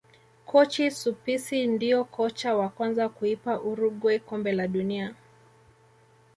Kocha Suppici ndio kocha wa kwanza kuipa uruguay kombe la dunia